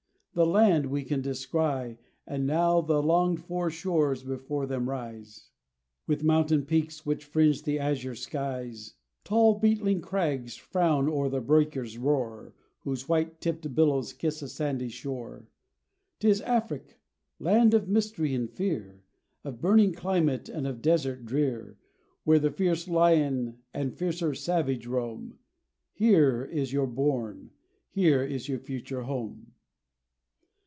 the land we can descry. And now the longed for shores before them rise, With mountain peaks which fringe the azure skies; Tall beetling crags frown o'er the breaker's roar, Whose white tipped billows kiss a sandy shore; 'Tis Afric! land of mystery and fear, Of burning climate, and of desert drear, Where the fierce lion and fiercer savage roam; Here is your bourne, here is your future home.